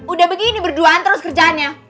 udah begini berduaan terus kerja sama aku